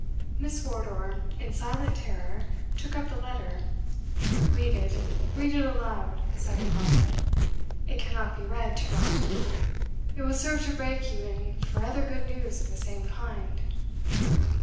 Miss Wardour, in silent terror, took up the letter. "Read it read it aloud!" said her father; "it cannot be read too often; it will serve to break you in for other good news of the same kind."